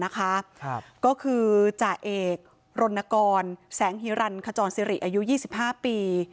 ก็คือจ่าเอกรณกรแสงฮิรันขจรสิริอายุ๒๕ปี